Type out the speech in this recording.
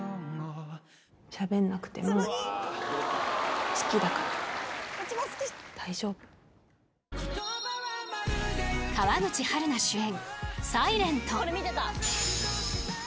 「しゃべんなくても好きだから」「大丈夫」［川口春奈主演］